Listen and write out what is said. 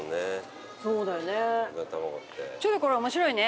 ちょいこれ面白いね。